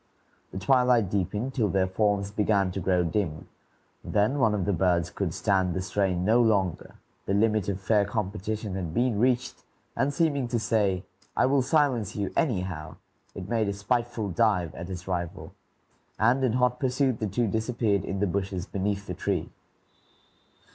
The twilight deepened till their forms began to grow dim; then one of the birds could stand the strain no longer, the limit of fair competition had been reached, and seeming to say, "I will silence you, anyhow," it made a spiteful dive at its rival, and in hot pursuit the two disappeared in the bushes beneath the tree.